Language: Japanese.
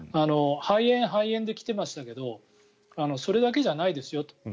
肺炎、肺炎で来てましたけどそれだけじゃないですよと。